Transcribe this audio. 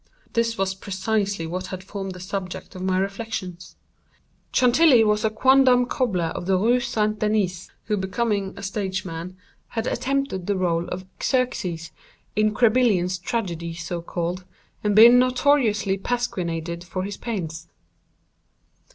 This was precisely what had formed the subject of my reflections. Chantilly was a quondam cobbler of the Rue St. Denis, who, becoming stage mad, had attempted the rôle of Xerxes, in Crébillon's tragedy so called, and been notoriously Pasquinaded for his pains.